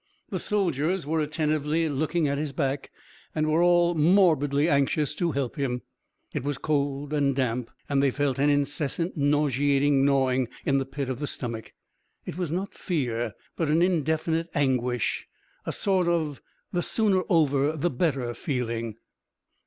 The soldiers were attentively looking at his back and were all morbidly anxious to help him. It was cold and damp, and they felt an incessant, nauseating gnawing in the pit of the stomach. It was not fear but an indefinite anguish, a sort of the sooner over the better feeling.